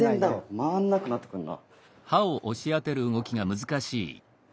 回んなくなってくんな。